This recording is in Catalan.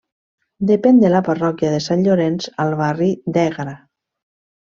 Depèn de la parròquia de Sant Llorenç, al barri d'Ègara.